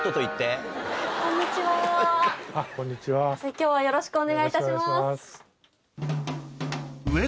今日はよろしくお願いいたします。